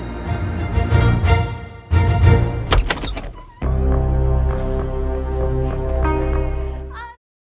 lo nunggu aja